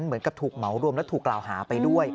เหมือนกับถูกเหมารวมและถูกกล่าวหาไปด้วย